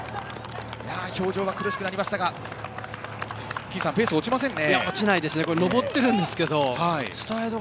表情は苦しくなりましたが金さん、ペースが落ちませんね。